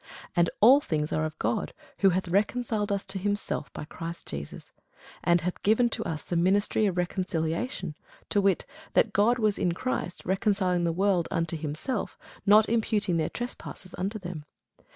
And all things are of God, who hath reconciled us to himself by Jesus Christ, and hath given to us the ministry of reconciliation; to wit, that God was in Christ, reconciling the world unto himself, not imputing their trespasses unto them.